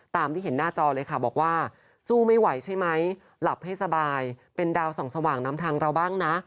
ตามที่เห็นหน้าจอเลยค่ะบอกว่าสู้ไม่ไหวใช่ไหมหลับให้สบายเป็นดาวส่องสว่างน้ำทางเราบ้างนะ